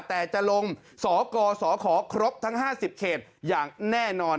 แต่จะลงสกสขครบทั้ง๕๐เขตอย่างแน่นอน